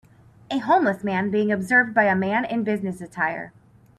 A homeless man being observed by a man in business attire.